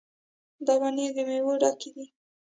دا ونې د میوو ډکې دي.